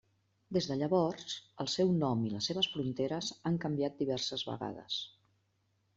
Des de llavors, el seu nom i les seves fronteres han canviat diverses vegades.